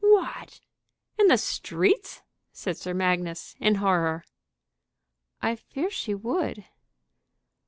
"What! in the streets?" said Sir Magnus, in horror. "I fear she would."